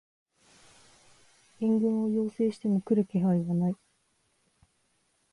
援軍を要請しても来る気配はない